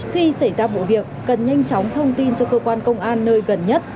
khi xảy ra vụ việc cần nhanh chóng thông tin cho cơ quan công an nơi gần nhất